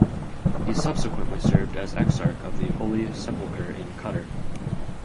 He subsequently served as Exarch of the Holy Sepulchre in Qatar.